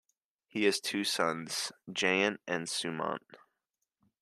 He has two sons, Jayant and Sumant.